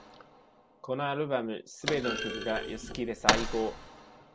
このアルバム、すべての曲が良すぎて最高